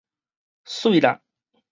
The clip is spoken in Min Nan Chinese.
媠啦